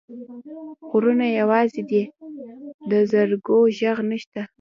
غرونه یوازي دي، د زرکو ږغ نشته